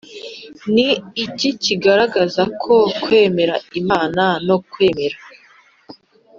Ni iki kigaragaza ko kwemera imana no kwemera